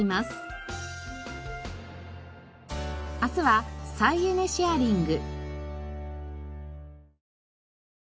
明日は再エネシェアリング。